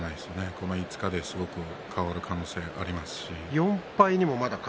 この５日ですごく変わる可能性がありますし。